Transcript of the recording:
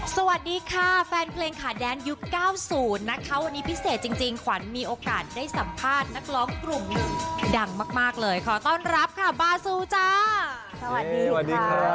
สวัสดีค่ะแฟนเพลงขาแดนยุค๙๐นะคะวันนี้พิเศษจริงขวัญมีโอกาสได้สัมภาษณ์นักร้องกลุ่มหนึ่งดังมากเลยขอต้อนรับค่ะบาซูจ้าสวัสดีค่ะ